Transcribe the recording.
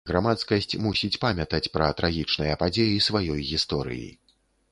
Грамадскасць мусіць памятаць пра трагічныя падзеі сваёй гісторыі.